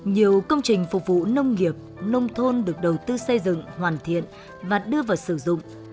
nhiều công trình phục vụ nông nghiệp nông thôn được đầu tư xây dựng hoàn thiện và đưa vào sử dụng